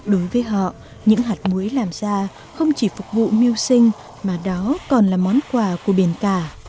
đối với họ những hạt muối làm ra không chỉ phục vụ miêu sinh mà đó còn là món quà của biển cả